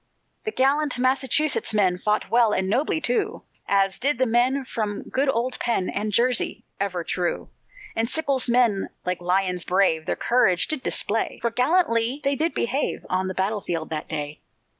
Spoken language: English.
The gallant Massachusetts men Fought well and nobly, too, As did the men from good old Penn., And Jersey, ever true, And Sickles' men like lions brave, Their courage did display, For gallantly they did behave On the battle field that day.